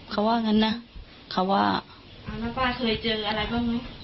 เขาว่างั้นนะเขาว่าเอาแล้วป้าเคยเจออะไรบ้างไหม